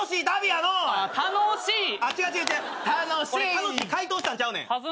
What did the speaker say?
楽しい。解答したんちゃうねん。